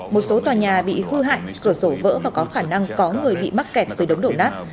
một số tòa nhà bị hư hại cửa sổ vỡ và có khả năng có người bị mắc kẹt dưới đống đổ nát